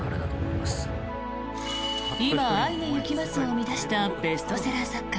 「いま、会いにゆきます」を生み出したベストセラー作家